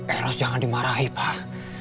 eros jangan dimarahi pak